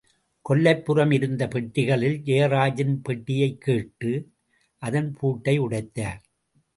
கொல்லைப்புறம் இருந்த பெட்டிகளில் ஜெயராஜின் பெட்டியைக் கேட்டு, அதன் பூட்டை உடைத்தார்.